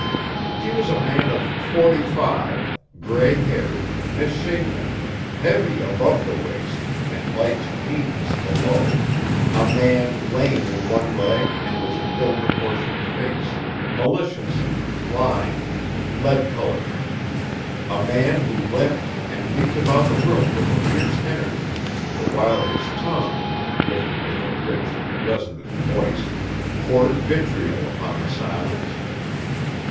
He was a man of forty five, gray haired, misshapen, heavy above the waist and light to meanness below; a man lame in one leg and with an ill proportioned face, malicious, lined, lead colored; a man who limped and leaped about the room with a fierce energy, the while his tongue, gifted with a rich and resonant voice, poured vitriol upon the silence.